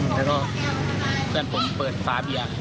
แล้วก็แฟนผมเปิดฝาเบียง